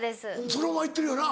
そのままいってるよな。